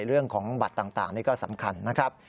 เรื่องของบัตรต่างนี่ก็สำคัญนะครับ